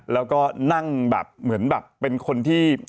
แล้วก็นั่งแบบเหมือนแบบเป็นคนที่